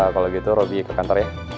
kalau gitu roby ke kantor ya